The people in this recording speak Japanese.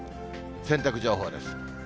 洗濯情報です。